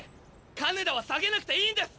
金田は下げなくていいんです。